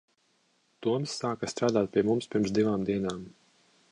Toms sāka strādāt pie mums pirms divām dienām.